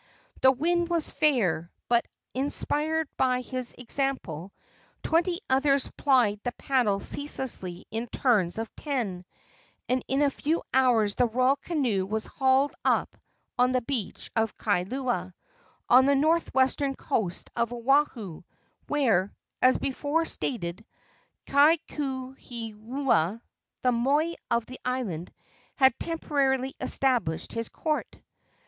The wind was fair, but, inspired by his example, twenty others plied the paddle ceaselessly in turns of ten, and in a few hours the royal canoe was hauled up on the beach of Kailua, on the northwestern coast of Oahu, where, as before stated, Kakuhihewa, the moi of the island, had temporarily established his court.